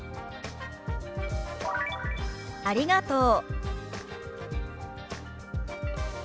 「ありがとう」。